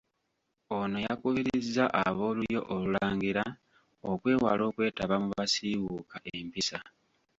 Ono yakubirizza ab'Olulyo Olulangira okwewala okwetaba mu basiiwuuka empisa.